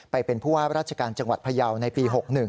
ไปเป็นผู้ว่าราชการจังหวัดพยาวในปี๖๑